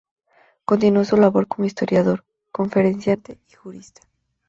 Continuó su labor como historiador, conferenciante y jurista.